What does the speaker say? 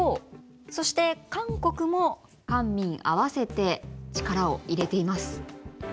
そして韓国も官民合わせて力を入れています。